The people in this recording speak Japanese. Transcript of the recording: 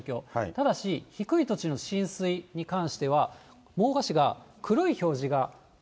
ただし低い土地の浸水に関しては、真岡市が黒い表示が出ています。